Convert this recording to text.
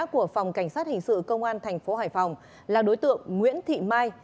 của phòng cảnh sát hình sự công an thành phố hải phòng là đối tượng nguyễn thị mai